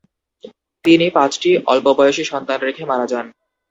তিনি পাঁচটি অল্প বয়সী সন্তান রেখে মারা যান।